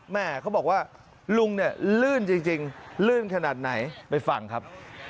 แม่เขาบอกว่าลุงเนี่ยลื่นจริงลื่นขนาดไหนไปฟังครับ